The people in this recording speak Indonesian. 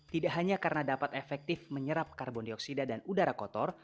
tidak hanya karena dapat efektif menyerap karbon dioksida dan udara kotor